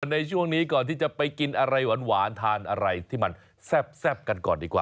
ในช่วงนี้ก่อนที่จะไปกินอะไรหวานทานอะไรที่มันแซ่บกันก่อนดีกว่า